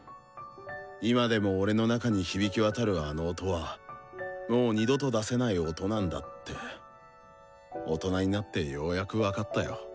今でも俺の中に響き渡るあの「音」はもう二度と出せない「音」なんだって大人になってようやく分かったよ。